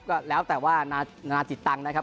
ก็แล้วแต่ว่านานาจิตตังค์นะครับ